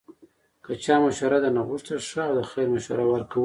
که چا مشوره درنه غوښته، ښه او د خیر مشوره ورکوئ